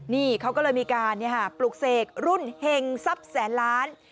นี่เขาก็เลยมีการปลุกเสกรุ่นเห็งทรัพย์แสนล้าน